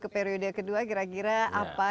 ke periode kedua kira kira apa